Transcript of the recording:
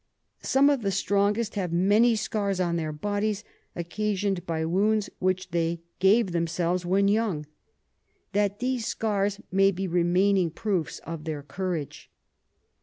Some of the strongest have many Scars on their Bodies, occasion'd by Wounds which they gave themselves when young, that these Scars may be remaining Proofs of their Courage.